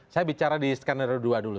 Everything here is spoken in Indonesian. saya bicara di skenario dua dulu